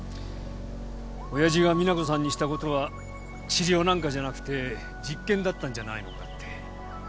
「親父が実那子さんにしたことは治療なんかじゃなくて実験だったんじゃないのか」って。